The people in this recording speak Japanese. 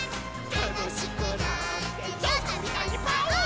「たのしくなってぞうさんみたいにパオーン」